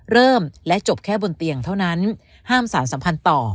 เริ่มและจบแค่บนเตียงเท่านั้นห้ามสารสัมพันธ์ต่อ